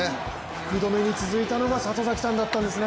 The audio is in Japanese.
福留に続いたのが里崎さんだったんですね。